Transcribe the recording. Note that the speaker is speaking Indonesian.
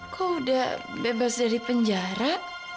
kok udah bebas dari penjara